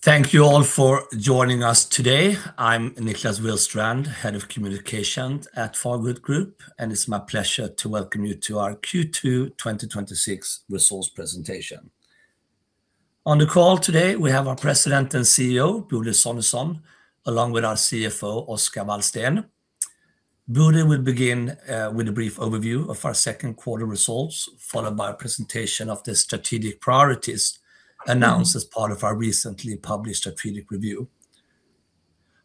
Thank you all for joining us today. I'm Niklas Willstrand, Head of Communications at Fagerhult Group. It's my pleasure to welcome you to our Q2 2026 results presentation. On the call today, we have our President and CEO, Bodil Sonesson, along with our CFO, Oscar Wallstén. Bodil will begin with a brief overview of our second quarter results, followed by a presentation of the strategic priorities announced as part of our recently published strategic review.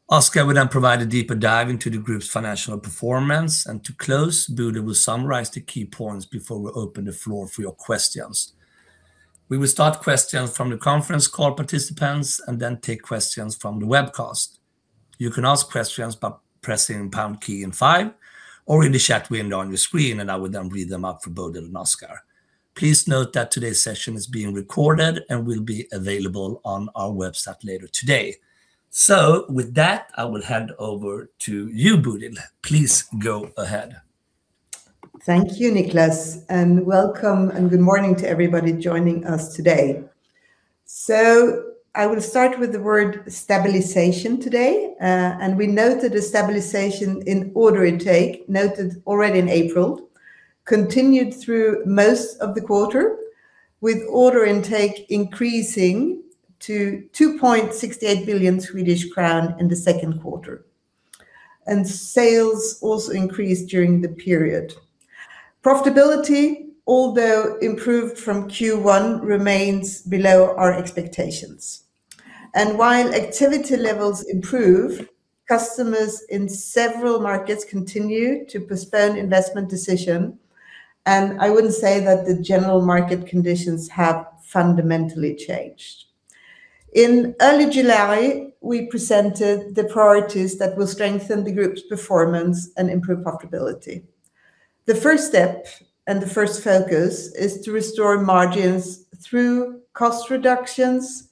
Oscar will then provide a deeper dive into the group's financial performance. To close, Bodil will summarize the key points before we open the floor for your questions. We will start questions from the conference call participants. Then take questions from the webcast. You can ask questions by pressing pound key and five, or in the chat window on your screen. I will then read them out for Bodil and Oscar. Please note that today's session is being recorded and will be available on our website later today. With that, I will hand over to you, Bodil. Please go ahead. Thank you, Niklas. Welcome and good morning to everybody joining us today. I will start with the word stabilization today. We noted a stabilization in order intake noted already in April, continued through most of the quarter, with order intake increasing to 2.68 billion Swedish crown in the second quarter. Sales also increased during the period. Profitability, although improved from Q1, remains below our expectations. While activity levels improve, customers in several markets continue to postpone investment decision. I wouldn't say that the general market conditions have fundamentally changed. In early July, we presented the priorities that will strengthen the group's performance and improve profitability. The first step and the first focus is to restore margins through cost reductions,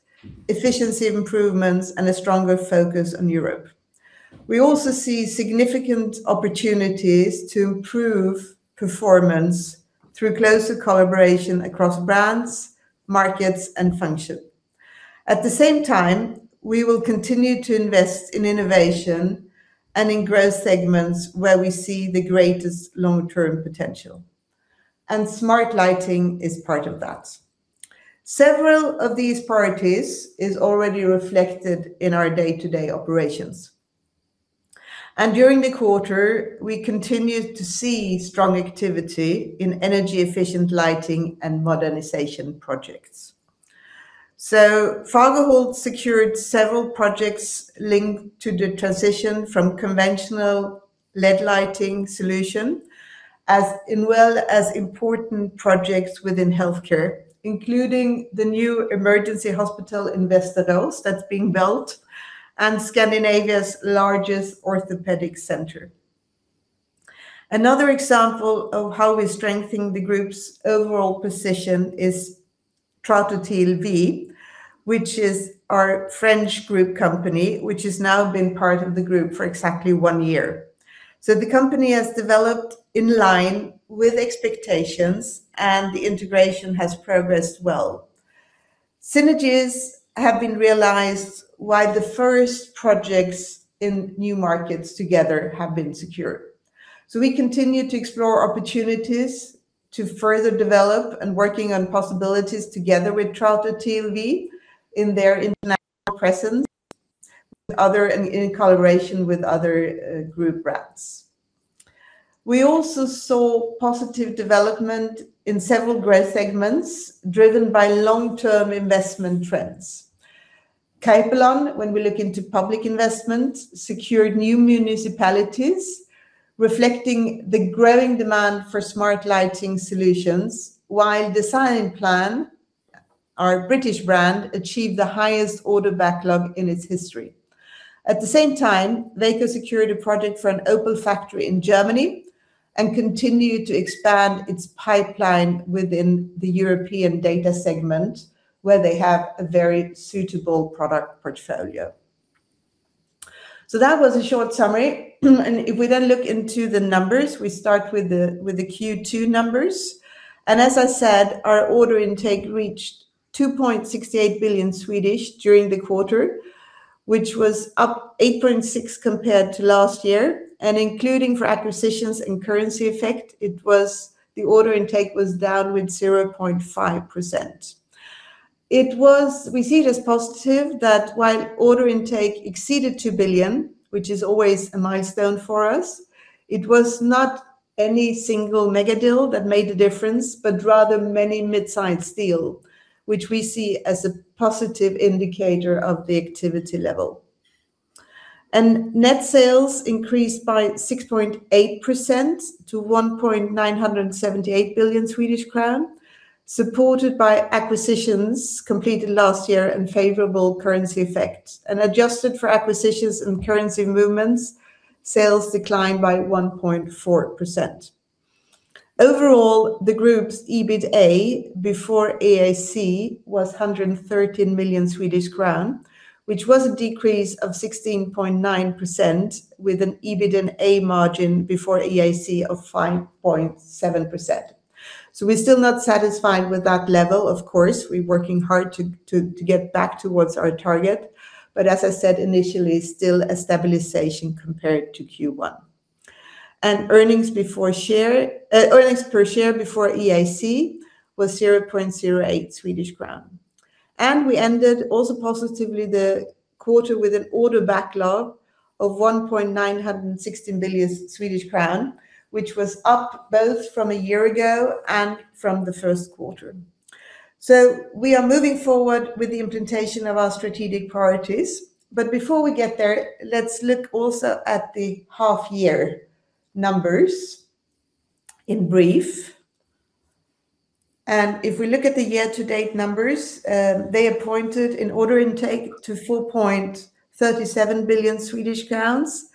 efficiency improvements, and a stronger focus on Europe. We also see significant opportunities to improve performance through closer collaboration across brands, markets, and function. At the same time, we will continue to invest in innovation and in growth segments where we see the greatest long-term potential, and smart lighting is part of that. Several of these priorities is already reflected in our day-to-day operations. During the quarter, we continued to see strong activity in energy-efficient lighting and modernization projects. Fagerhult secured several projects linked to the transition from conventional LED lighting solution, as well as important projects within healthcare, including the new emergency hospital in Västerås that's being built, and Scandinavia's largest orthopedic center. Another example of how we're strengthening the group's overall position is Trato TLV, which is our French group company, which has now been part of the group for exactly one year. The company has developed in line with expectations, and the integration has progressed well. Synergies have been realized why the first projects in new markets together have been secured. We continue to explore opportunities to further develop and working on possibilities together with Trato TLV in their international presence in collaboration with other group brands. We also saw positive development in several growth segments driven by long-term investment trends. Capelon, when we look into public investment, secured new municipalities reflecting the growing demand for smart lighting solutions, while Designplan, our British brand, achieved the highest order backlog in its history. At the same time, Veko secured a project for an Opel factory in Germany and continued to expand its pipeline within the European data segment, where they have a very suitable product portfolio. That was a short summary, and if we then look into the numbers, we start with the Q2 numbers. As I said, our order intake reached 2.68 billion during the quarter, which was up 8.6% compared to last year. Including for acquisitions and currency effect, the order intake was down with 0.5%. We see it as positive that while order intake exceeded 2 billion, which is always a milestone for us, it was not any single mega-deal that made the difference, but rather many mid-sized deal, which we see as a positive indicator of the activity level. Net sales increased by 6.8% to 1.978 billion Swedish crown, supported by acquisitions completed last year and favorable currency effects. Adjusted for acquisitions and currency movements, sales declined by 1.4%. The group's EBITA before IAC was 113 million Swedish crown, which was a decrease of 16.9% with an EBITA margin before IAC of 5.7%. We are still not satisfied with that level, of course. We are working hard to get back towards our target, but as I said initially, still a stabilization compared to Q1. Earnings per share before IAC was 0.08 Swedish crown. We ended also positively the quarter with an order backlog of 1.916 billion Swedish crown, which was up both from a year ago and from the first quarter. We are moving forward with the implementation of our strategic priorities. Before we get there, let's look also at the half year numbers in brief. If we look at the year to date numbers, they reported an order intake of 4.37 billion Swedish crowns,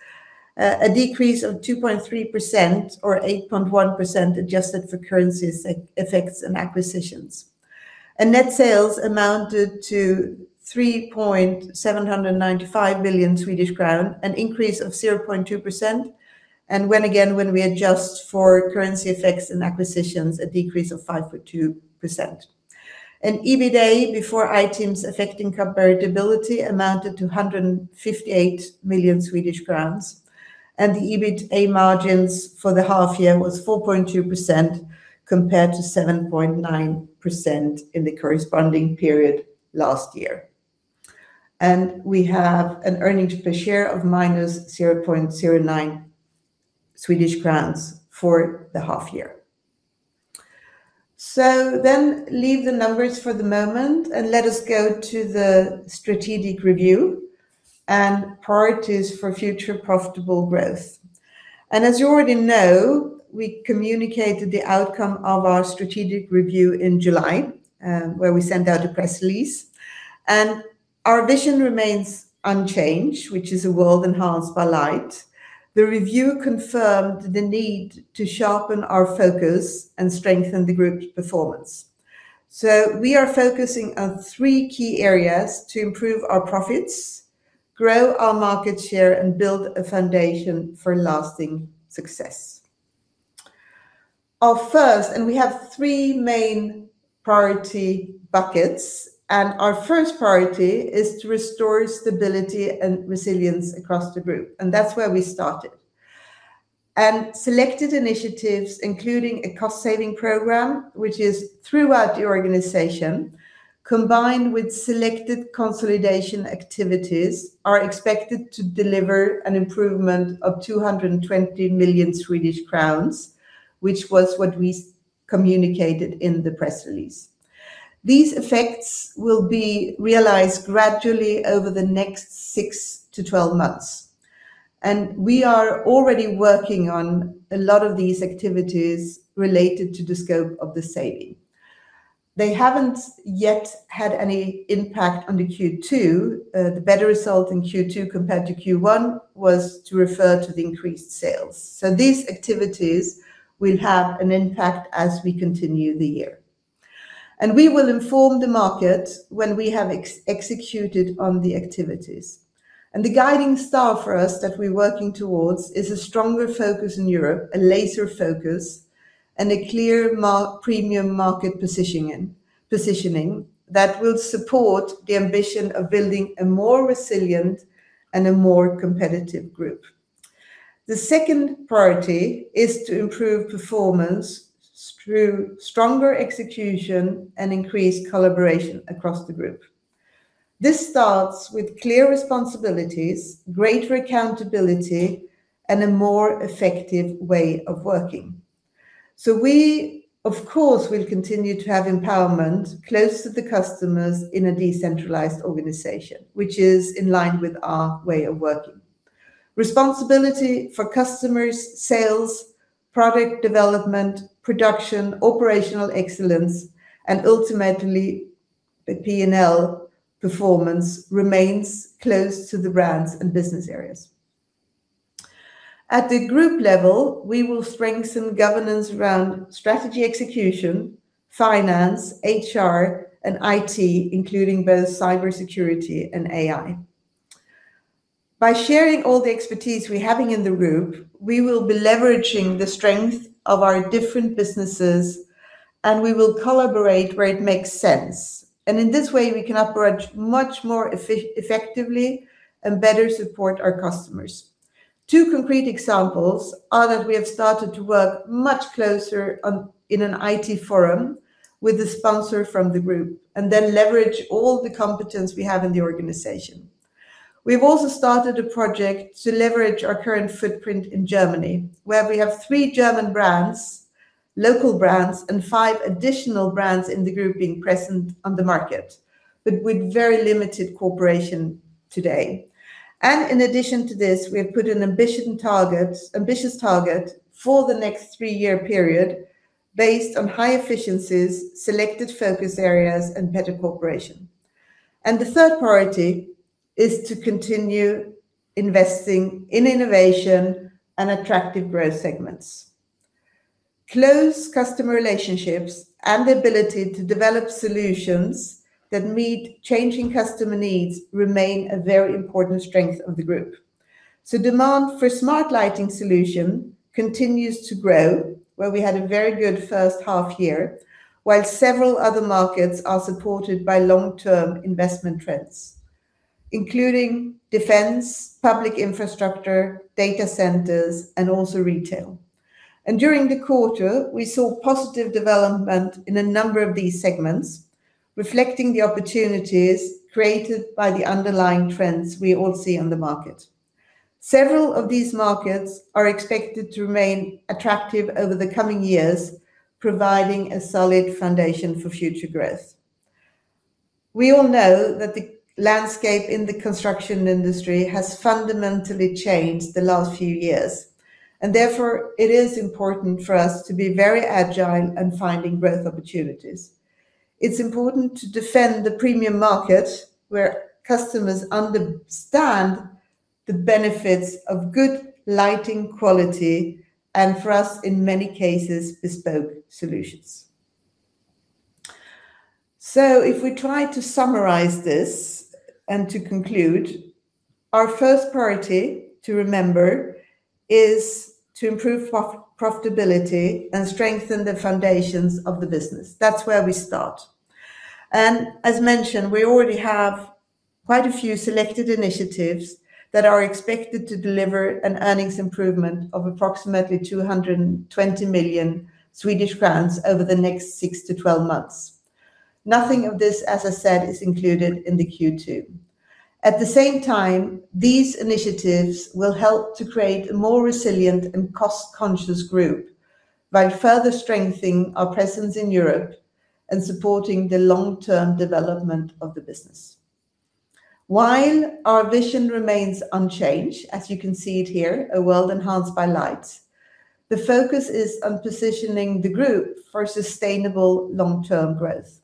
a decrease of 2.3% or 8.1% adjusted for currency effects and acquisitions. Net sales amounted to 3.795 billion Swedish crown, an increase of 0.2%. When again, when we adjust for currency effects and acquisitions, a decrease of 5.2%. EBITA, before items affecting comparability, amounted to 158 million Swedish crowns, and the EBITA margin for the half year was 4.2% compared to 7.9% in the corresponding period last year. We have an earnings per share of minus 0.09 Swedish crowns for the half year. Leave the numbers for the moment and let us go to the strategic review and priorities for future profitable growth. As you already know, we communicated the outcome of our strategic review in July, where we sent out a press release. Our vision remains unchanged, which is a world enhanced by light. The review confirmed the need to sharpen our focus and strengthen the group's performance. We are focusing on three key areas to improve our profits, grow our market share, and build a foundation for lasting success. Our first, and we have three main priority buckets, and our first priority is to restore stability and resilience across the group, and that's where we started. Selected initiatives, including a cost saving program, which is throughout the organization, combined with selected consolidation activities, are expected to deliver an improvement of 220 million Swedish crowns, which was what we communicated in the press release. These effects will be realized gradually over the next 6-12 months, and we are already working on a lot of these activities related to the scope of the saving. They haven't yet had any impact on the Q2. The better result in Q2 compared to Q1 was to refer to the increased sales. These activities will have an impact as we continue the year. We will inform the market when we have executed on the activities. The guiding star for us that we're working towards is a stronger focus in Europe, a laser focus, and a clear Premium market positioning that will support the ambition of building a more resilient and a more competitive group. The second priority is to improve performance through stronger execution and increased collaboration across the group. This starts with clear responsibilities, greater accountability, and a more effective way of working. We, of course, will continue to have empowerment close to the customers in a decentralized organization, which is in line with our way of working. Responsibility for customers, sales, product development, production, operational excellence, and ultimately P&L performance remains close to the brands and business areas. At the group level, we will strengthen governance around strategy execution, finance, HR, and IT, including both cybersecurity and AI. By sharing all the expertise we having in the group, we will be leveraging the strength of our different businesses, and we will collaborate where it makes sense. In this way, we can operate much more effectively and better support our customers. Two concrete examples are that we have started to work much closer in an IT forum with a sponsor from the group and then leverage all the competence we have in the organization. We've also started a project to leverage our current footprint in Germany, where we have three German brands, local brands, and five additional brands in the group being present on the market, but with very limited cooperation today. In addition to this, we have put an ambitious target for the next three-year period based on high efficiencies, selected focus areas, and better cooperation. The third priority is to continue investing in innovation and attractive growth segments. Close customer relationships and the ability to develop solutions that meet changing customer needs remain a very important strength of the group. Demand for smart lighting solution continues to grow, where we had a very good first half year, while several other markets are supported by long-term investment trends. Including defense, public infrastructure, data centers, and also retail. During the quarter, we saw positive development in a number of these segments, reflecting the opportunities created by the underlying trends we all see on the market. Several of these markets are expected to remain attractive over the coming years, providing a solid foundation for future growth. We all know that the landscape in the construction industry has fundamentally changed the last few years, therefore it is important for us to be very agile in finding growth opportunities. It is important to defend the Premium market, where customers understand the benefits of good lighting quality, and for us, in many cases, bespoke solutions. If we try to summarize this and to conclude, our first priority to remember is to improve profitability and strengthen the foundations of the business. That is where we start. As mentioned, we already have quite a few selected initiatives that are expected to deliver an earnings improvement of approximately 220 million Swedish crowns over the next 6-12 months. Nothing of this, as I said, is included in the Q2. At the same time, these initiatives will help to create a more resilient and cost-conscious group by further strengthening our presence in Europe and supporting the long-term development of the business. While our vision remains unchanged, as you can see it here, a world enhanced by light, the focus is on positioning the group for sustainable long-term growth.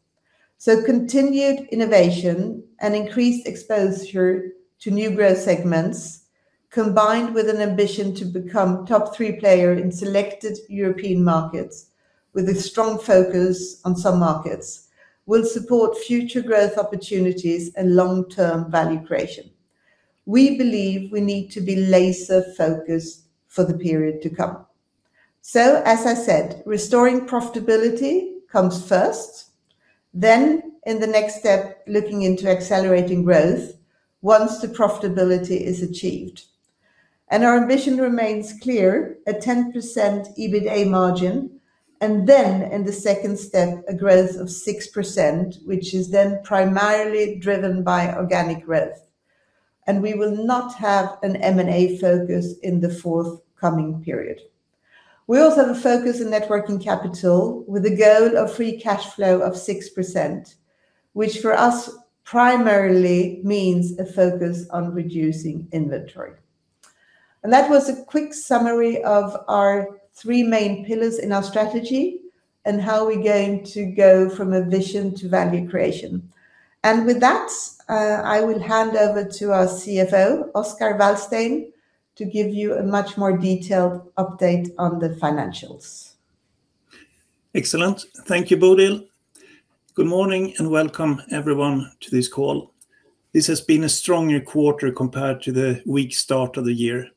Continued innovation and increased exposure to new growth segments, combined with an ambition to become top three player in selected European markets with a strong focus on some markets, will support future growth opportunities and long-term value creation. We believe we need to be laser-focused for the period to come. As I said, restoring profitability comes first, then in the next step, looking into accelerating growth once the profitability is achieved. Our ambition remains clear, a 10% EBITA margin, then in the second step, a growth of 6%, which is then primarily driven by organic growth. We will not have an M&A focus in the forthcoming period. We also have a focus on net working capital with a goal of free cash flow of 6%, which for us primarily means a focus on reducing inventory. That was a quick summary of our three main pillars in our strategy and how we are going to go from a vision to value creation. With that, I will hand over to our CFO, Oscar Wallstén, to give you a much more detailed update on the financials. Excellent. Thank you, Bodil. Good morning and welcome everyone to this call. This has been a stronger quarter compared to the weak start of the year.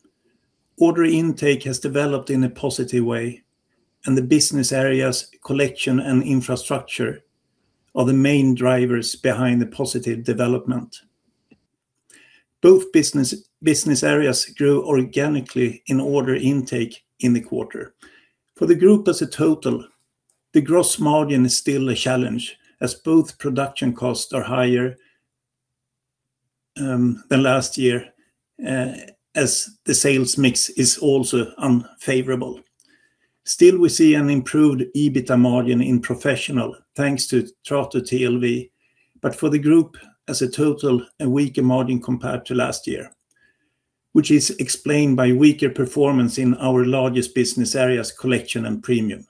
Order intake has developed in a positive way, the business areas Collection and Infrastructure are the main drivers behind the positive development. Both business areas grew organically in order intake in the quarter. For the group as a total, the gross margin is still a challenge as both production costs are higher than last year, as the sales mix is also unfavorable. Still, we see an improved EBITA margin in Professional thanks to Trato TLV, but for the group as a total, a weaker margin compared to last year, which is explained by weaker performance in our largest business areas, Collection and Premium.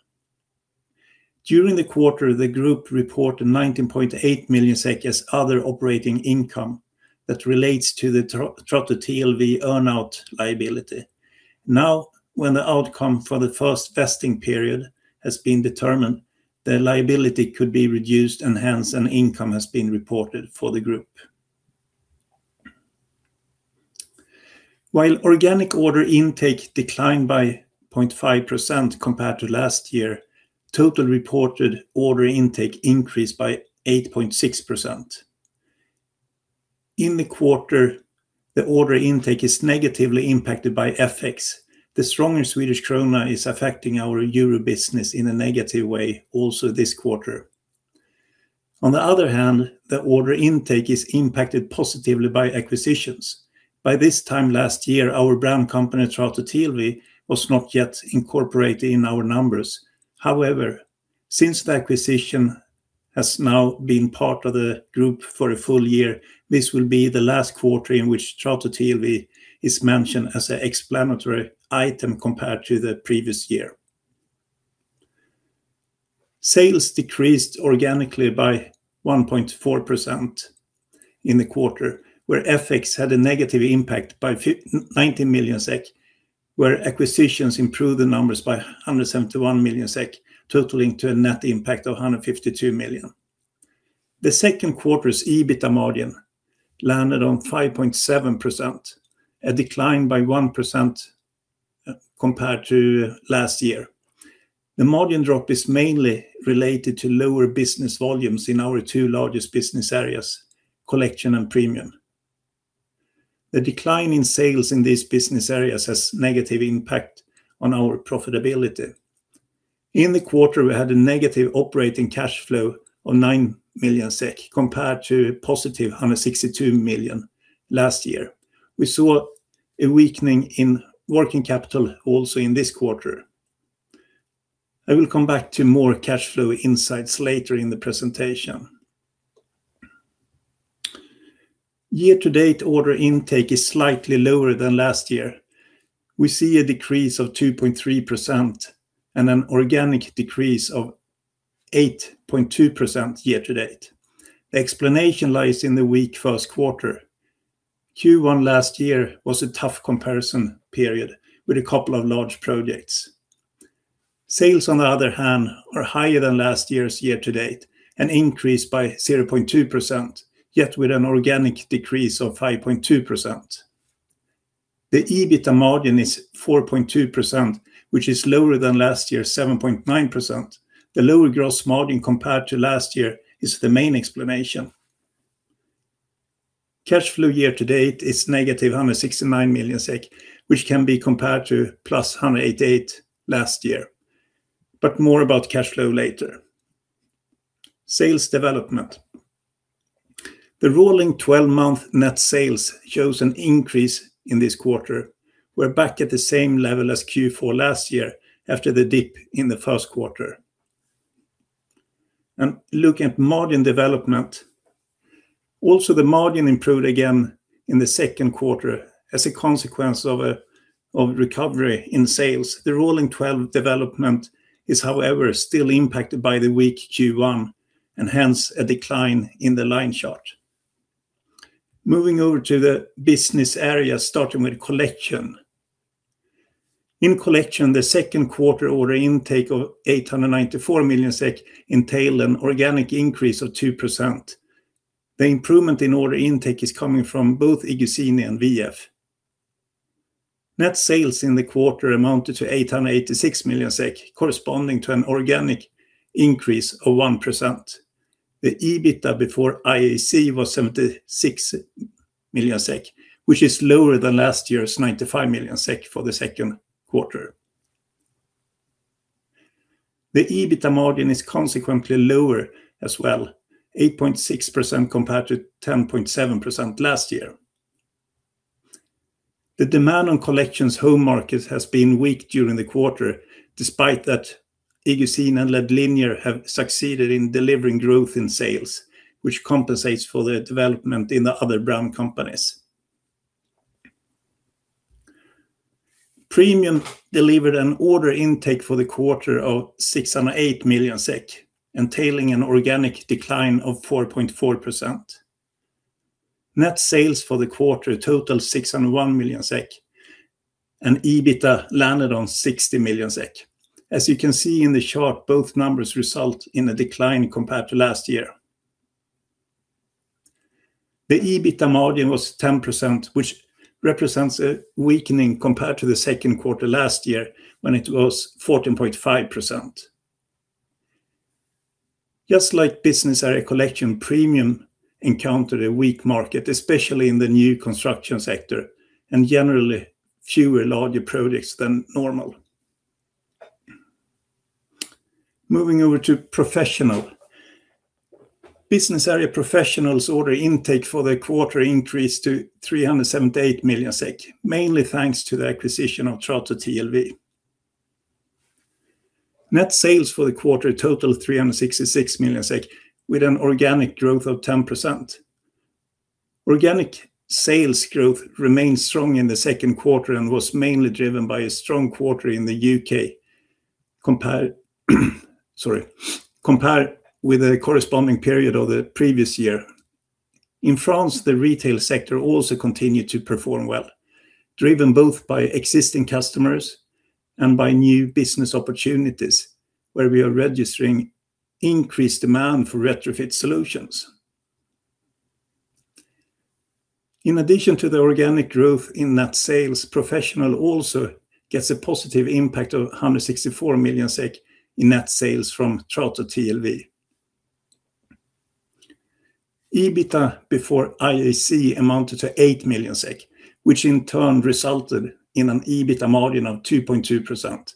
During the quarter, the group reported 19.8 million as other operating income that relates to the Trato TLV earn-out liability. Now, when the outcome for the first vesting period has been determined, the liability could be reduced and hence an income has been reported for the group. While organic order intake declined by 0.5% compared to last year, total reported order intake increased by 8.6%. In the quarter, the order intake is negatively impacted by FX. The stronger Swedish krona is affecting our Euro business in a negative way also this quarter. On the other hand, the order intake is impacted positively by acquisitions. By this time last year, our brand company, Trato TLV, was not yet incorporated in our numbers. However, since the acquisition has now been part of the group for a full year, this will be the last quarter in which Trato TLV is mentioned as an explanatory item compared to the previous year. Sales decreased organically by 1.4% in the quarter, where FX had a negative impact by 19 million SEK, where acquisitions improved the numbers by 171 million SEK, totaling to a net impact of 152 million. The second quarter's EBITA margin landed on 5.7%, a decline by 1% compared to last year. The margin drop is mainly related to lower business volumes in our two largest business areas, Collection and Premium. The decline in sales in these business areas has negative impact on our profitability. In the quarter, we had a negative operating cash flow of -9 million SEK compared to +162 million last year. We saw a weakening in working capital also in this quarter. I will come back to more cash flow insights later in the presentation. Year-to-date order intake is slightly lower than last year. We see a decrease of 2.3% and an organic decrease of 8.2% year to date. The explanation lies in the weak first quarter. Q1 last year was a tough comparison period with a couple of large projects. Sales, on the other hand, are higher than last year's year to date, an increase by 0.2%, yet with an organic decrease of 5.2%. The EBITA margin is 4.2%, which is lower than last year's 7.9%. The lower gross margin compared to last year is the main explanation. Cash flow year to date is -169 million SEK, which can be compared to +188 million last year. More about cash flow later. Sales development. The rolling 12-month net sales shows an increase in this quarter. We're back at the same level as Q4 last year after the dip in the first quarter. Looking at margin development. Also, the margin improved again in the second quarter as a consequence of recovery in sales. The rolling 12 development is, however, still impacted by the weak Q1, and hence a decline in the line chart. Moving over to the business area, starting with Collection. In Collection, the second quarter order intake of 894 million SEK entail an organic increase of 2%. The improvement in order intake is coming from both iGuzzini and VF. Net sales in the quarter amounted to 886 million SEK, corresponding to an organic increase of 1%. The EBITA before IAC was 76 million SEK, which is lower than last year's 95 million SEK for the second quarter. The EBITA margin is consequently lower as well, 8.6% compared to 10.7% last year. The demand on Collection's home market has been weak during the quarter. Despite that, iGuzzini and LED Linear have succeeded in delivering growth in sales, which compensates for the development in the other brand companies. Premium delivered an order intake for the quarter of 608 million SEK, entailing an organic decline of 4.4%. Net sales for the quarter total 601 million SEK, and EBITA landed on 60 million SEK. As you can see in the chart, both numbers result in a decline compared to last year. The EBITA margin was 10%, which represents a weakening compared to the second quarter last year when it was 14.5%. Just like business area Collection, Premium encountered a weak market, especially in the new construction sector, and generally fewer larger projects than normal. Moving over to Professional. Business area Professional's order intake for the quarter increased to 378 million SEK, mainly thanks to the acquisition of Trato TLV. Net sales for the quarter totaled 366 million SEK with an organic growth of 10%. Organic sales growth remained strong in the second quarter and was mainly driven by a strong quarter in the U.K. Compared with the corresponding period of the previous year, in France, the retail sector also continued to perform well, driven both by existing customers and by new business opportunities where we are registering increased demand for retrofit solutions. In addition to the organic growth in net sales, Professional also gets a positive impact of 164 million SEK in net sales from Trato TLV. EBITA before IAC amounted to 8 million SEK, which in turn resulted in an EBITA margin of 2.2%.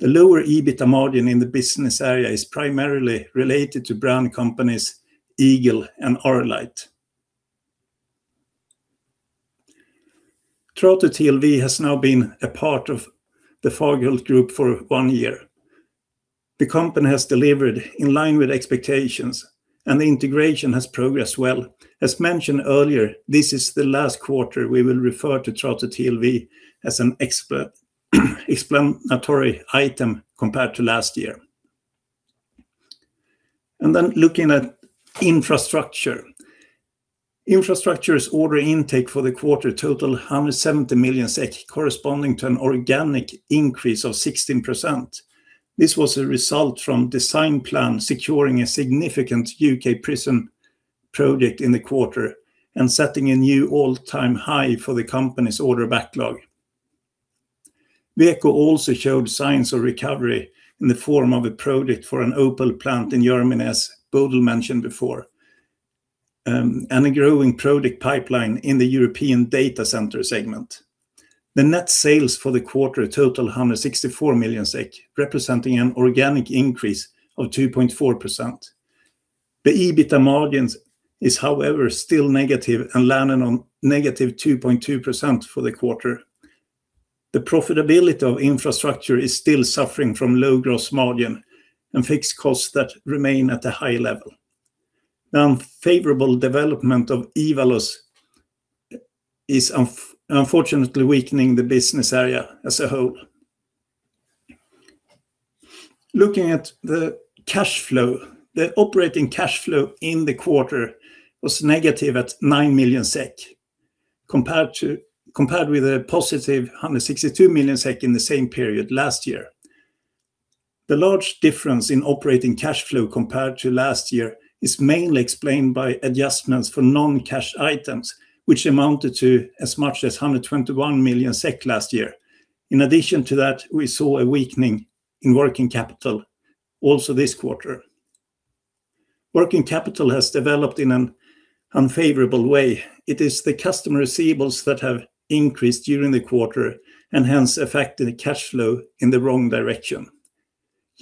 The lower EBITA margin in the business area is primarily related to brand companies Eagle and Arlight. Trato TLV has now been a part of the Fagerhult Group for one year. The company has delivered in line with expectations, and the integration has progressed well. As mentioned earlier, this is the last quarter we will refer to Trato TLV as an explanatory item compared to last year. Looking at Infrastructure. Infrastructure's order intake for the quarter totaled 170 million SEK, corresponding to an organic increase of 16%. This was a result from Designplan securing a significant U.K. prison project in the quarter and setting a new all-time high for the company's order backlog. Veko also showed signs of recovery in the form of a project for an Opel plant in Germany, as Bodil mentioned before, and a growing project pipeline in the European data center segment. The net sales for the quarter total 164 million SEK, representing an organic increase of 2.4%. The EBITA margin is, however, still negative and landed on -2.2% for the quarter. The profitability of Infrastructure is still suffering from low gross margin and fixed costs that remain at a high level. The unfavorable development of Evaluz is unfortunately weakening the business area as a whole. Looking at the cash flow, the operating cash flow in the quarter was negative at -9 million SEK, compared with a positive +162 million SEK in the same period last year. The large difference in operating cash flow compared to last year is mainly explained by adjustments for non-cash items, which amounted to as much as 121 million SEK last year. In addition to that, we saw a weakening in working capital also this quarter. Working capital has developed in an unfavorable way. It is the customer receivables that have increased during the quarter and hence affected the cash flow in the wrong direction.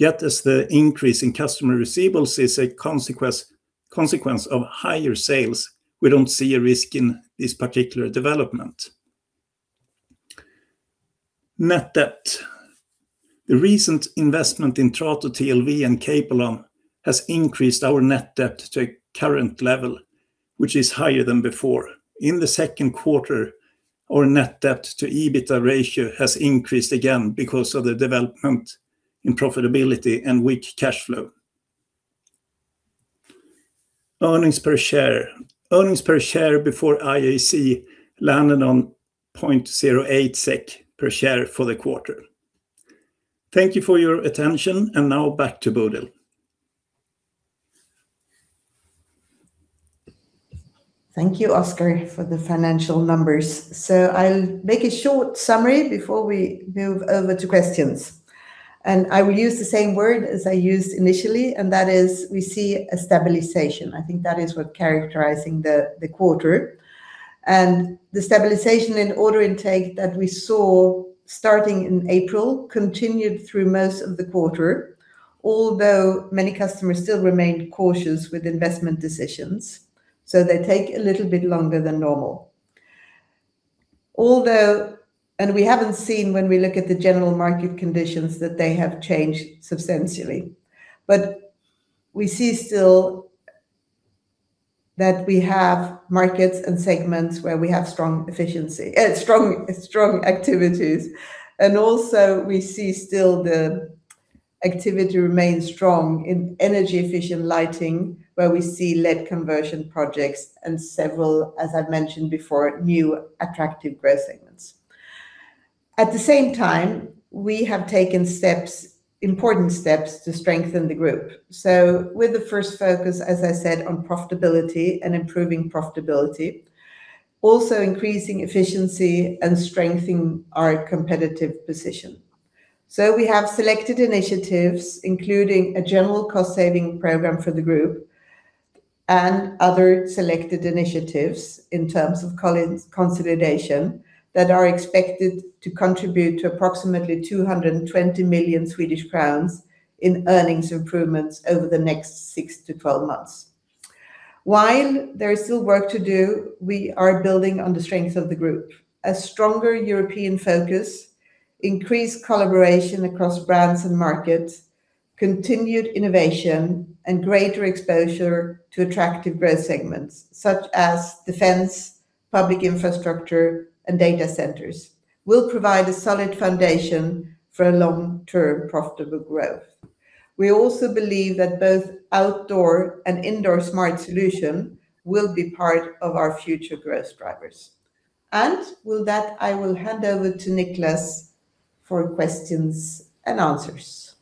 As the increase in customer receivables is a consequence of higher sales, we don't see a risk in this particular development. Net debt. The recent investment in Trato TLV and Capelon has increased our net debt to a current level, which is higher than before. In the second quarter, our net debt to EBITDA ratio has increased again because of the development in profitability and weak cash flow. Earnings per share. Earnings per share before IAC landed on 0.08 SEK per share for the quarter. Thank you for your attention, and now back to Bodil. Thank you, Oscar, for the financial numbers. I'll make a short summary before we move over to questions, I will use the same word as I used initially, and that is we see a stabilization. I think that is what characterizing the quarter. The stabilization in order intake that we saw starting in April continued through most of the quarter, although many customers still remained cautious with investment decisions, so they take a little bit longer than normal. Although, we haven't seen when we look at the general market conditions that they have changed substantially, we see still that we have markets and segments where we have strong activities. Also we see still the activity remains strong in energy-efficient lighting where we see lead conversion projects and several, as I've mentioned before, new attractive growth segments. At the same time, we have taken important steps to strengthen the group. With the first focus, as I said, on profitability and improving profitability, also increasing efficiency and strengthening our competitive position. We have selected initiatives including a general cost-saving program for the group and other selected initiatives in terms of consolidation that are expected to contribute to approximately 220 million Swedish crowns in earnings improvements over the next 6-12 months. While there is still work to do, we are building on the strengths of the group. A stronger European focus, increased collaboration across brands and markets, continued innovation, and greater exposure to attractive growth segments such as defense, public infrastructure, and data centers will provide a solid foundation for a long-term profitable growth. We also believe that both outdoor and indoor smart solution will be part of our future growth drivers. With that, I will hand over to Niklas for questions and answers.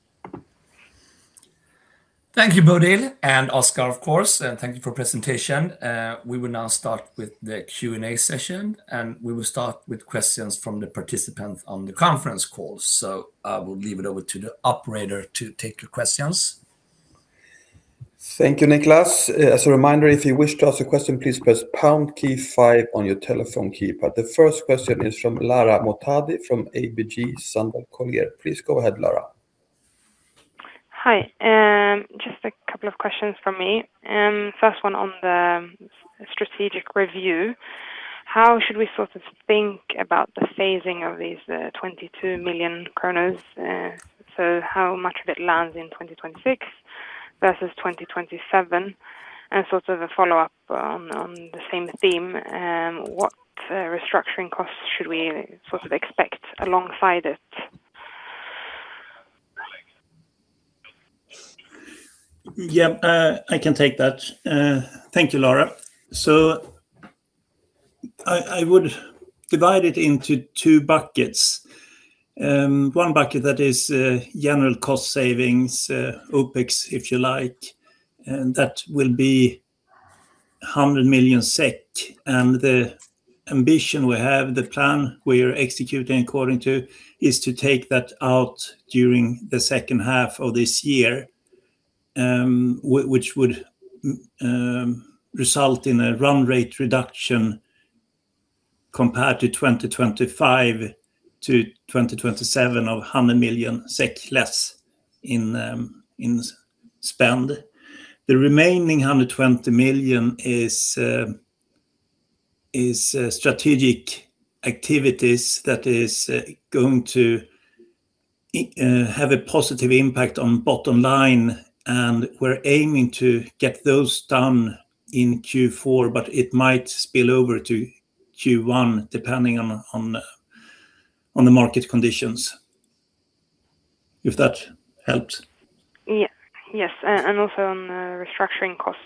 Thank you, Bodil and Oscar, of course, and thank you for presentation. We will now start with the Q&A session, and we will start with questions from the participants on the conference call. I will leave it over to the operator to take your questions. Thank you, Niklas. As a reminder, if you wish to ask a question, please press pound key five on your telephone keypad. The first question is from Lara Mohtadi from ABG Sundal Collier. Please go ahead, Lara. Hi. Just a couple of questions from me. First one on the strategic review. How should we think about the phasing of these 220 million? How much of it lands in 2026 versus 2027? A follow-up on the same theme, what restructuring costs should we expect alongside it? Yeah, I can take that. Thank you, Lara. I would divide it into two buckets. One bucket that is general cost savings, OpEx, if you like, and that will be 100 million SEK. The ambition we have, the plan we are executing according to, is to take that out during the second half of this year, which would result in a run rate reduction compared to 2025-2027 of SEK 100 million less in spend. The remaining 120 million is strategic activities that is going to have a positive impact on bottom line, and we're aiming to get those done in Q4, but it might spill over to Q1, depending on the market conditions. If that helps. Yes. Also on the restructuring costs.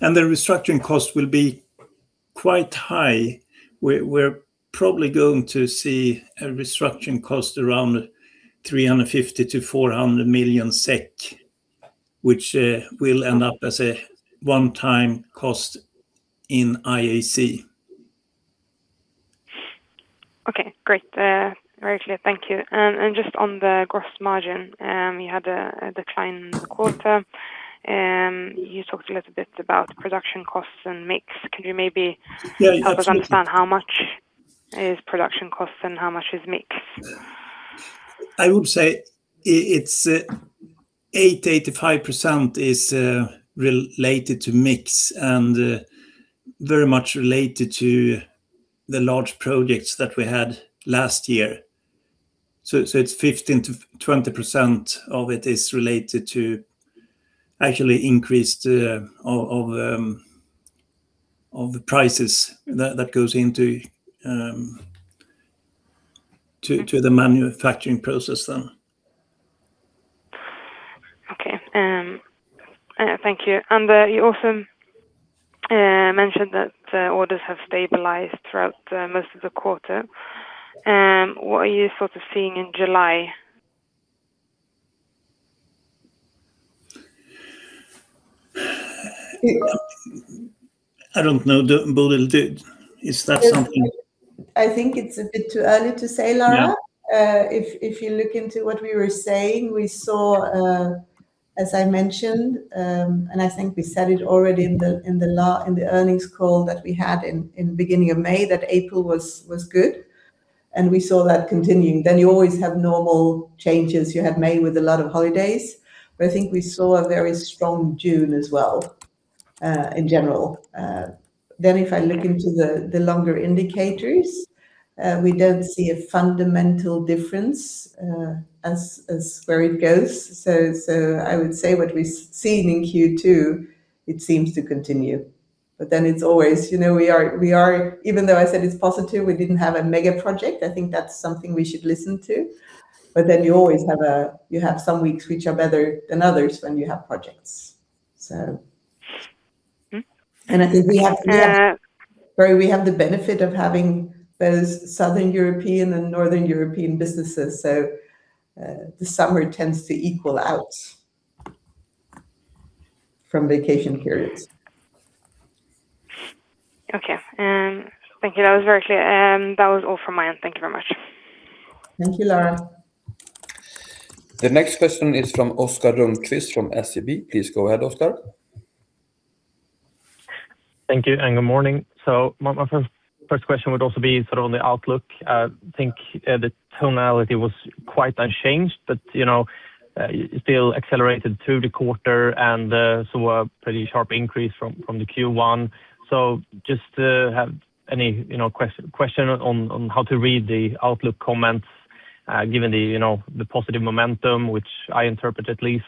The restructuring cost will be quite high. We're probably going to see a restructuring cost around 350 million-400 million SEK, which will end up as a one-time cost in IAC. Okay, great. Very clear. Thank you. Just on the gross margin, you had a decline in the quarter. You talked a little bit about production costs and mix. Can you maybe help us understand how much is production cost and how much is mix? I would say it's 80%-85% is related to mix, and very much related to the large projects that we had last year. It's 15%-20% of it is related to actually increased of the prices that goes into the manufacturing process then. Okay. Thank you. You also mentioned that orders have stabilized throughout most of the quarter. What are you sort of seeing in July? I don't know. Bodil, is that something? I think it's a bit too early to say, Lara. If you look into what we were saying, we saw, as I mentioned, and I think we said it already in the earnings call that we had in beginning of May, that April was good, and we saw that continuing. You always have normal changes. You have May with a lot of holidays, I think we saw a very strong June as well, in general. If I look into the longer indicators, we don't see a fundamental difference as where it goes. I would say what we've seen in Q2, it seems to continue. It's always, even though I said it's positive we didn't have a mega project, I think that's something we should listen to. You always have some weeks which are better than others when you have projects. I think we have the benefit of having both Southern European and Northern European businesses. The summer tends to equal out from vacation periods. Okay. Thank you. That was very clear. That was all from my end. Thank you very much. Thank you, Lara. The next question is from Oscar Rönnkvist from SEB. Please go ahead, Oscar. Thank you, and good morning. My first question would also be sort of on the outlook. I think the tonality was quite unchanged, but still accelerated through the quarter and saw a pretty sharp increase from the Q1. Just to have any question on how to read the outlook comments, given the positive momentum, which I interpret at least.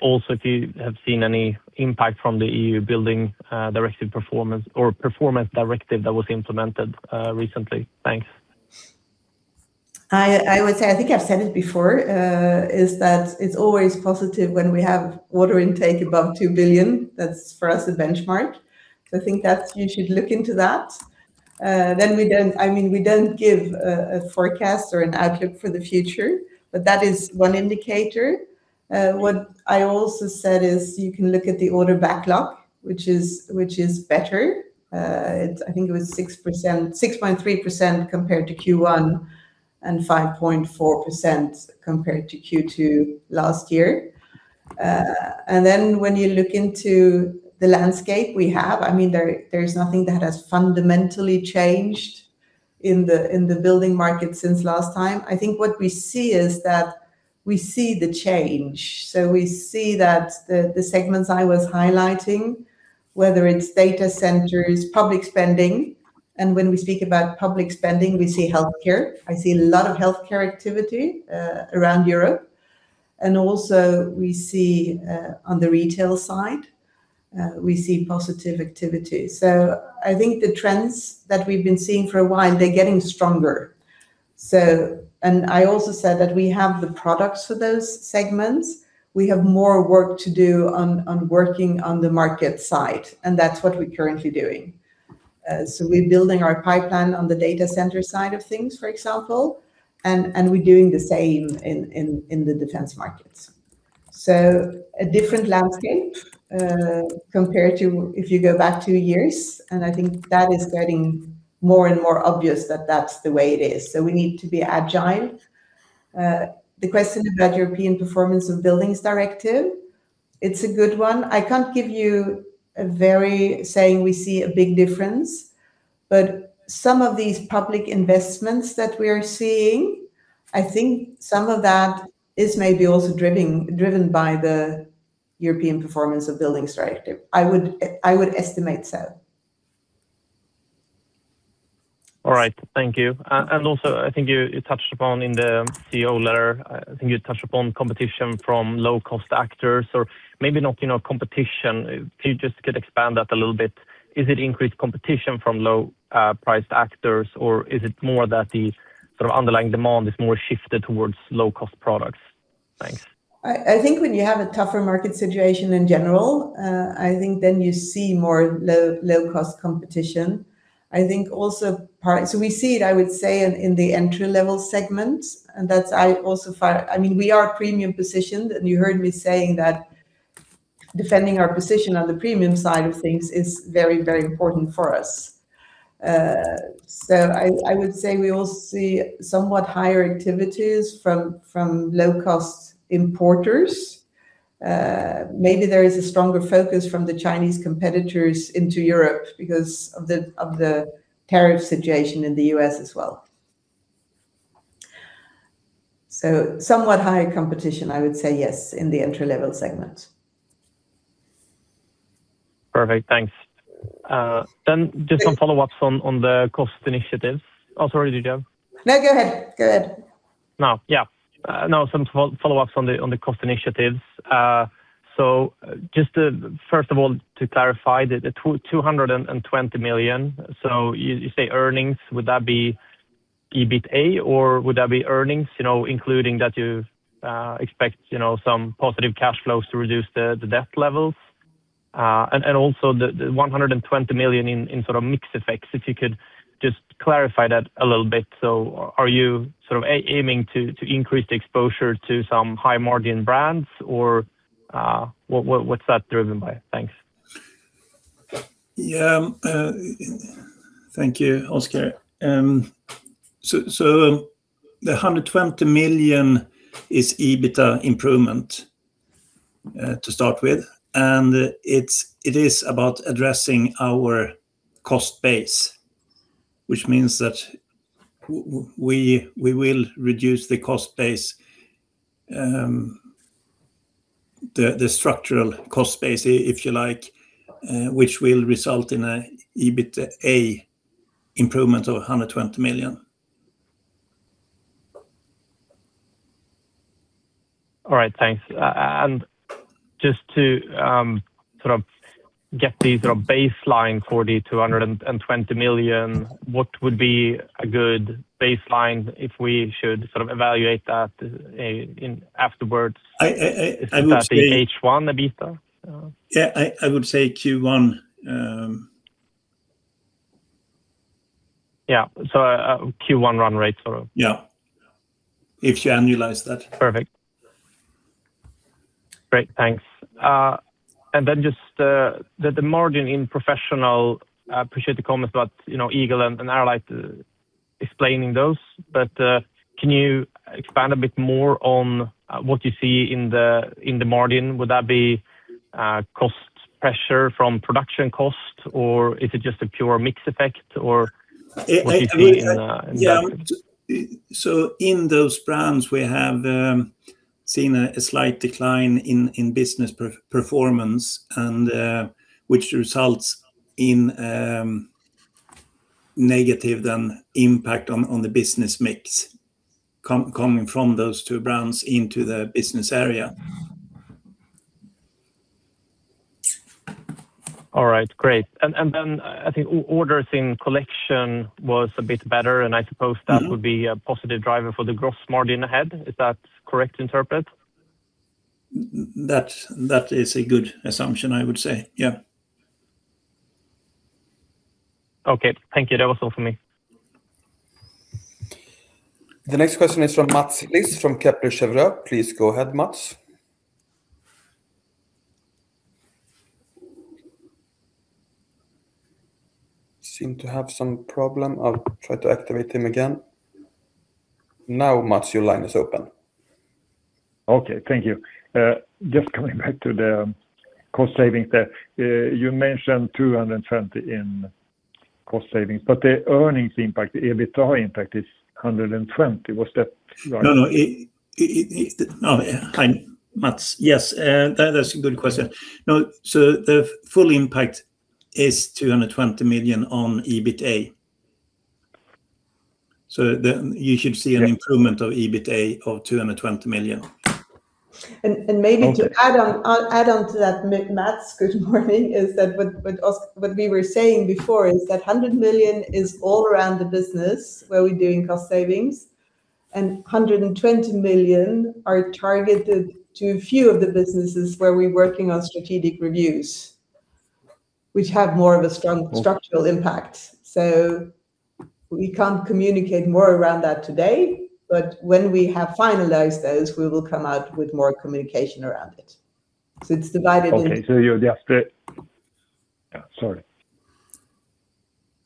Also, if you have seen any impact from the EU Building Directive Performance or Performance Directive that was implemented recently. Thanks. I would say, I think I've said it before, is that it's always positive when we have order intake above 2 billion. That's, for us, a benchmark. I think you should look into that. We don't give a forecast or an outlook for the future, but that is one indicator. What I also said is you can look at the order backlog, which is better. I think it was 6.3% compared to Q1 and 5.4% compared to Q2 last year. When you look into the landscape we have, there's nothing that has fundamentally changed in the building market since last time. I think what we see is that we see the change. We see that the segments I was highlighting, whether it's data centers, public spending. When we speak about public spending, we see healthcare. I see a lot of healthcare activity around Europe. Also we see on the retail side, we see positive activity. I think the trends that we've been seeing for a while, they're getting stronger. And I also said that we have the products for those segments. We have more work to do on working on the market side, and that's what we're currently doing. We're building our pipeline on the data center side of things, for example, and we're doing the same in the defense markets. A different landscape compared to if you go back two years, and I think that is getting more and more obvious that that's the way it is. We need to be agile. The question about European Performance of Buildings Directive, it's a good one. Saying we see a big difference, but some of these public investments that we are seeing, I think some of that is maybe also driven by the European Performance of Buildings Directive. I would estimate so. All right. Thank you. Also, I think you touched upon in the CEO letter, I think you touched upon competition from low-cost actors, or maybe not competition. If you just could expand that a little bit. Is it increased competition from low-priced actors, or is it more that the underlying demand is more shifted towards low-cost products? Thanks. I think when you have a tougher market situation in general, I think then you see more low-cost competition. We see it, I would say, in the entry-level segment. We are premium positioned, and you heard me saying that defending our position on the premium side of things is very important for us. I would say we will see somewhat higher activities from low-cost importers. Maybe there is a stronger focus from the Chinese competitors into Europe because of the tariff situation in the U.S. as well. Somewhat higher competition, I would say yes, in the entry-level segment. Perfect. Thanks. Just some follow-ups on the cost initiatives. Oh, sorry, did you have? No, go ahead. No, yeah. Some follow-ups on the cost initiatives. Just first of all, to clarify the 220 million, you say earnings, would that be EBITA, or would that be earnings, including that you expect some positive cash flows to reduce the debt levels? Also the 120 million in mixed effects, if you could just clarify that a little bit. Are you aiming to increase the exposure to some high-margin brands, or what's that driven by? Thanks. Yeah. Thank you, Oscar. The SEK 120 million is EBITA improvement to start with, and it is about addressing our cost base, which means that we will reduce the structural cost base, if you like, which will result in an EBITA improvement of SEK 120 million. All right. Thanks. Just to get the baseline for the 220 million, what would be a good baseline if we should evaluate that afterwards? Is that the H1 EBITA? Yeah, I would say Q1. Yeah. A Q1 run rate sort of? Yeah. If you annualize that. Perfect. Great, thanks. Just the margin in Professional, I appreciate the comments about Eagle and Arlight explaining those, but can you expand a bit more on what you see in the margin? Would that be cost pressure from production cost, or is it just a pure mix effect, or what do you see in that? Yeah. In those brands, we have seen a slight decline in business performance, which results in a negative impact on the business mix coming from those two brands into the business area. All right, great. I think orders in Collection was a bit better, and I suppose that would be a positive driver for the gross margin ahead. Is that correctly interpreted? That is a good assumption, I would say, yeah. Okay, thank you. That was all for me. The next question is from Mats Liss from Kepler Cheuvreux. Please go ahead, Mats. Seem to have some problem. I'll try to activate him again. Now, Mats, your line is open. Okay. Thank you. Just coming back to the cost savings there. You mentioned 220 million in cost savings, but the earnings impact, the EBITA impact, is 120 million. Was that right? No. Hi, Mats. Yes, that's a good question. The full impact is 220 million on EBITA. You should see an improvement of EBITA of 220 million. Maybe to add on to that, Mats, good morning, is that what we were saying before is that 100 million is all around the business where we're doing cost savings, and 120 million are targeted to a few of the businesses where we're working on strategic reviews, which have more of a strong structural impact. We can't communicate more around that today, but when we have finalized those, we will come out with more communication around it. It's divided in. Okay. Sorry.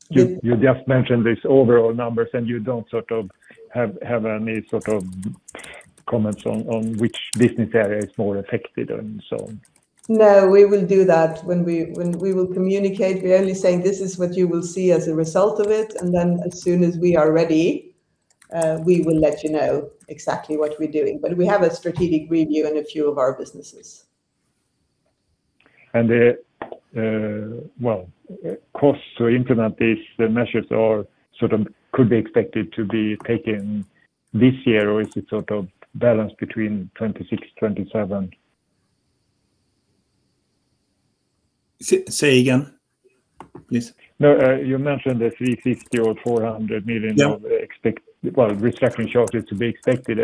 You just mentioned these overall numbers, you don't have any comments on which business area is more affected and so on? We will do that when we will communicate. We're only saying this is what you will see as a result of it. As soon as we are ready, we will let you know exactly what we're doing. We have a strategic review in a few of our businesses. The costs to implement these measures could be expected to be taken this year or is it balanced between 2026, 2027? Say again, please. No, you mentioned the 350 million or 400 million of restructuring charges to be expected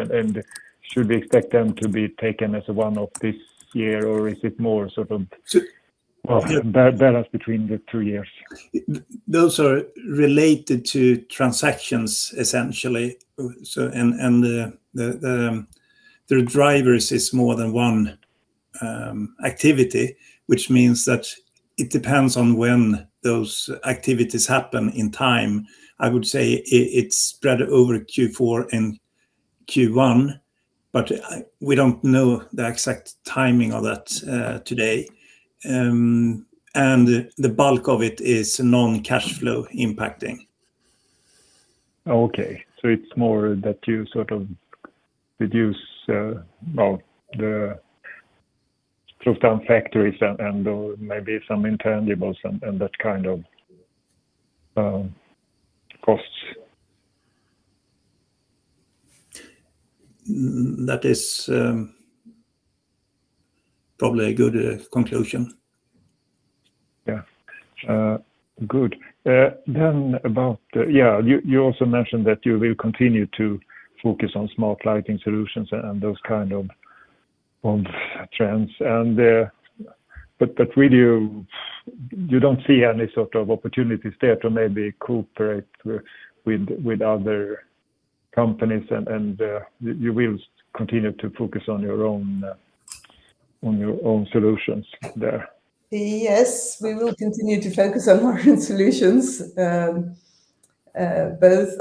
should we expect them to be taken as one of this year or is it more balanced between the two years? Those are related to transactions, essentially. Their drivers is more than one activity, which means that it depends on when those activities happen in time. I would say it's spread over Q4 and Q1, but we don't know the exact timing of that today. The bulk of it is non-cash flow impacting. It's more that you reduce, well, the closed down factories and maybe some intangibles and that kind of costs. That is probably a good conclusion. Yeah. Good. You also mentioned that you will continue to focus on smart lighting solutions and those kinds of trends, really you don't see any sort of opportunities there to maybe cooperate with other companies and you will continue to focus on your own solutions there? Yes, we will continue to focus on our own solutions, both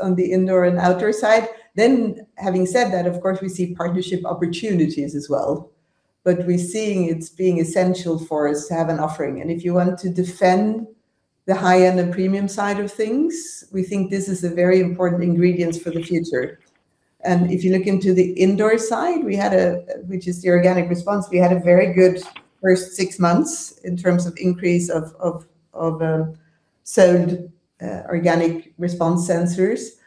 on the indoor and outdoor side. Having said that, of course, we see partnership opportunities as well, but we're seeing it's being essential for us to have an offering. If you want to defend the high-end and Premium side of things, we think this is a very important ingredient for the future. If you look into the indoor side, which is the Organic Response, we had a very good first six months in terms of increase of sold Organic Response sensors.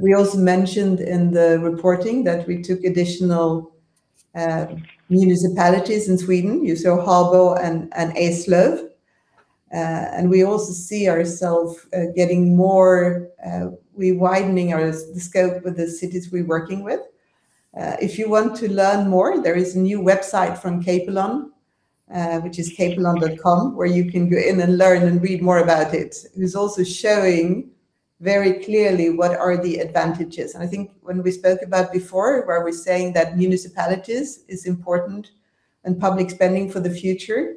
We also mentioned in the reporting that we took additional municipalities in Sweden, you saw Halmstad and Eslöv, and we also see ourselves widening our scope with the cities we're working with. If you want to learn more, there is a new website from Capelon, which is capelon.com, where you can go in and learn and read more about it. It is also showing very clearly what are the advantages. I think when we spoke about before where we're saying that municipalities is important and public spending for the future,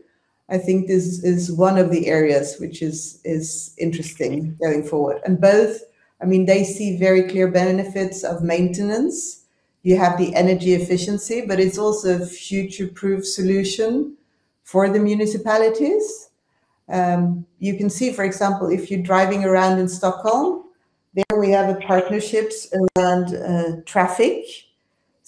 I think this is one of the areas which is interesting going forward. Both, they see very clear benefits of maintenance. You have the energy efficiency, but it's also a future-proof solution for the municipalities. You can see, for example, if you're driving around in Stockholm, there we have a partnerships around traffic.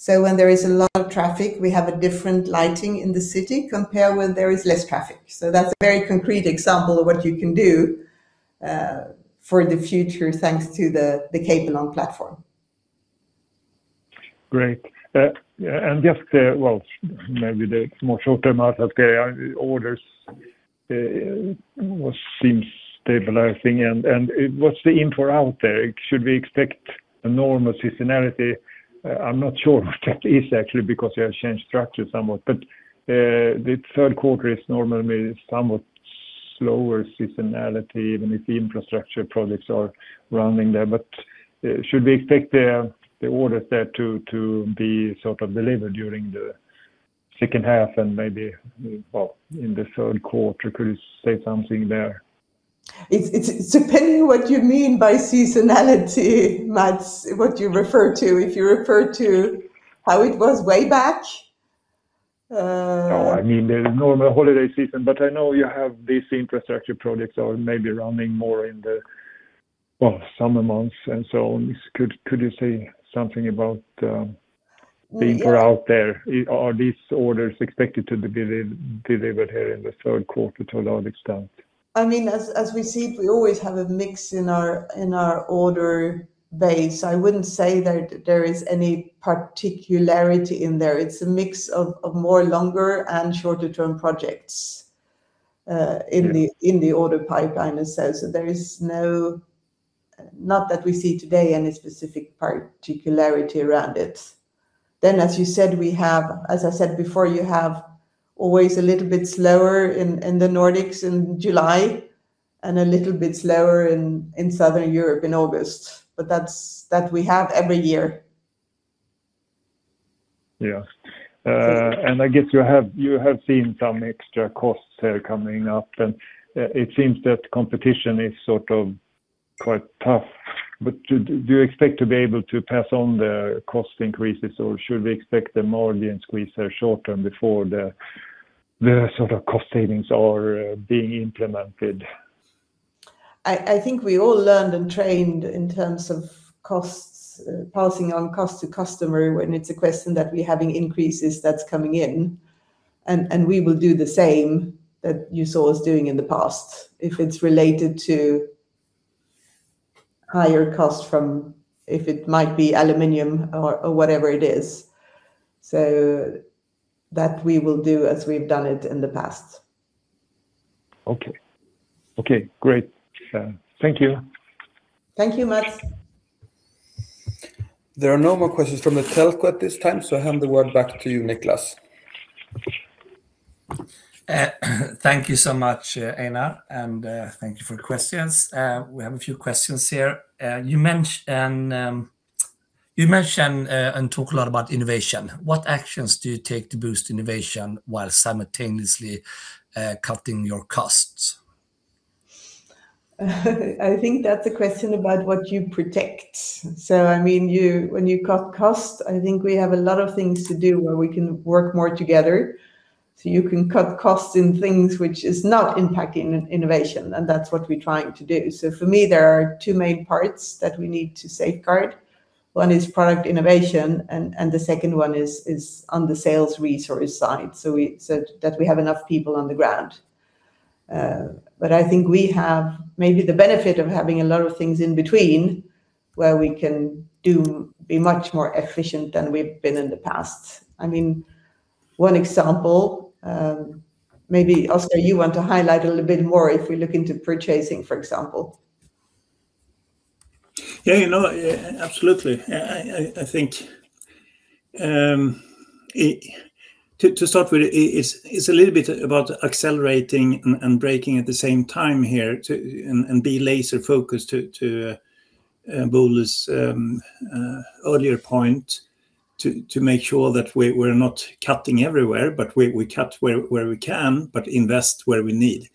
When there is a lot of traffic, we have a different lighting in the city compared when there is less traffic. That's a very concrete example of what you can do for the future thanks to the Capelon platform. Great. Just, well, maybe the more shorter amount of the orders, what seems stabilizing and what's the info out there? Should we expect a normal seasonality? I'm not sure what that is actually because you have changed structure somewhat, but the third quarter is normally somewhat slower seasonality, even if the Infrastructure projects are running there. Should we expect the orders there to be delivered during the second half and maybe in the third quarter? Could you say something there? It's depending what you mean by seasonality, Mats, what you refer to. If you refer to how it was way back? I mean the normal holiday season, but I know you have these Infrastructure projects are maybe running more in the summer months and so on. Could you say something about being more out there? Are these orders expected to be delivered here in the third quarter to a large extent? As we see, we always have a mix in our order base, I wouldn't say that there is any particularity in there. It's a mix of more longer and shorter-term projects in the order pipeline. There is no, not that we see today, any specific particularity around it. As I said before, you have always a little bit slower in the Nordics in July and a little bit slower in Southern Europe in August. That we have every year. Yeah. I guess you have seen some extra costs here coming up, and it seems that competition is quite tough. Do you expect to be able to pass on the cost increases, or should we expect the margin squeeze here short term before the cost savings are being implemented? I think we all learned and trained in terms of passing on cost to customer when it's a question that we're having increases that's coming in. We will do the same that you saw us doing in the past, if it's related to higher cost from if it might be aluminum or whatever it is. That we will do as we've done it in the past. Okay. Great. Thank you. Thank you, Mats. There are no more questions from the telco at this time. I hand the word back to you, Niklas. Thank you so much, Einar. Thank you for the questions. We have a few questions here. You mentioned and talk a lot about innovation. What actions do you take to boost innovation while simultaneously cutting your costs? I think that's a question about what you protect. When you cut costs, I think we have a lot of things to do where we can work more together. You can cut costs in things which is not impacting innovation, and that's what we're trying to do. For me, there are two main parts that we need to safeguard. One is product innovation, and the second one is on the sales resource side, so that we have enough people on the ground. I think we have maybe the benefit of having a lot of things in between where we can be much more efficient than we've been in the past. One example, maybe Oscar, you want to highlight a little bit more if we look into purchasing, for example. Yeah. Absolutely. I think to start with, it's a little bit about accelerating and braking at the same time here, and be laser focused to Bodil's earlier point to make sure that we're not cutting everywhere, but we cut where we can, but invest where we need.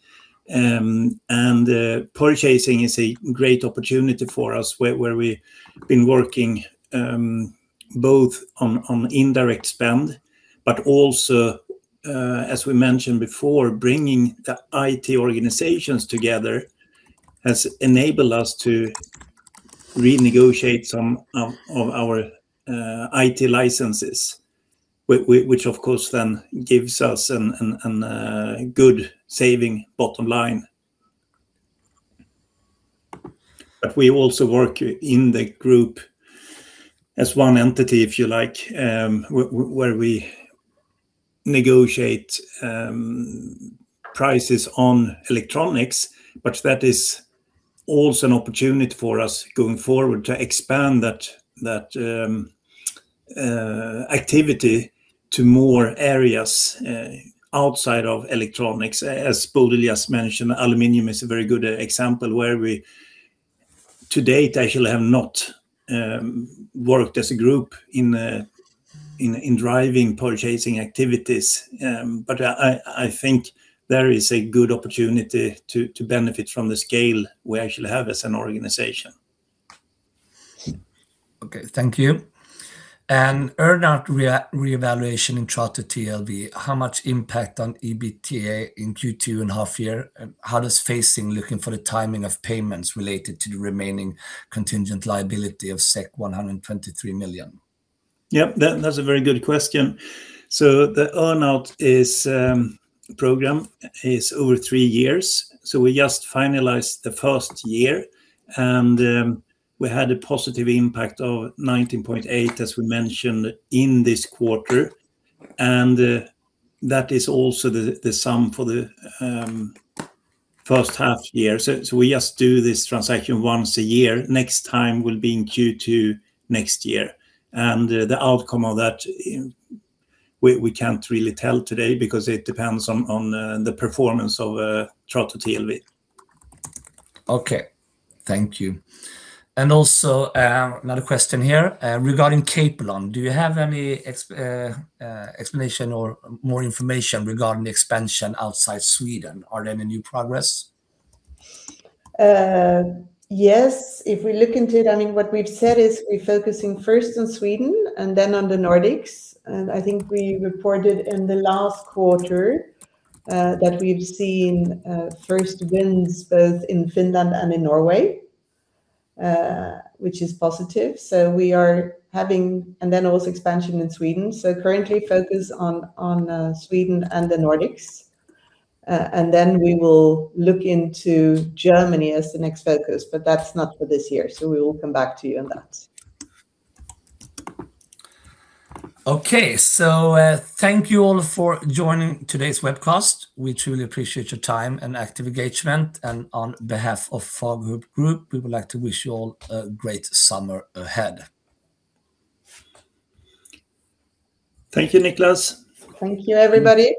Purchasing is a great opportunity for us where we've been working both on indirect spend, but also as we mentioned before, bringing the IT organizations together has enabled us to renegotiate some of our IT licenses, which of course then gives us a good saving bottom line. We also work in the group as one entity, if you like, where we negotiate prices on electronics. That is also an opportunity for us going forward to expand that activity to more areas outside of electronics. As Bodil just mentioned, aluminum is a very good example where we, to date, actually have not worked as a group in driving purchasing activities. I think there is a good opportunity to benefit from the scale we actually have as an organization. Okay. Thank you. Earn-out reevaluation in Trato TLV, how much impact on EBITA in Q2 and half year? How does phasing looking for the timing of payments related to the remaining contingent liability of 123 million? Yep, that's a very good question. The earn-out program is over three years. We just finalized the first year, we had a positive impact of 19.8 million, as we mentioned, in this quarter. That is also the sum for the first half year. We just do this transaction once a year. Next time will be in Q2 next year. The outcome of that, we can't really tell today because it depends on the performance of Trato TLV. Okay. Thank you. Also another question here regarding Capelon. Do you have any explanation or more information regarding the expansion outside Sweden? Are there any progress? Yes. If we look into it, what we've said is we're focusing first on Sweden and then on the Nordics. I think we reported in the last quarter that we've seen first wins both in Finland and in Norway, which is positive. Then also expansion in Sweden. Currently focus on Sweden and the Nordics. Then we will look into Germany as the next focus, but that's not for this year. We will come back to you on that. Okay, thank you all for joining today's webcast. We truly appreciate your time and active engagement. On behalf of Fagerhult Group, we would like to wish you all a great summer ahead. Thank you, Niklas. Thank you, everybody.